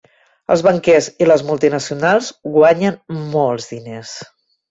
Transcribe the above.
Els banquers i les multinacionals guanyen molts diners.